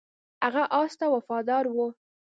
هغه اس ته وفادار و.